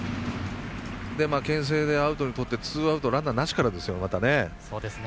けん制で、アウトにとってツーアウトランナーなしからですよ。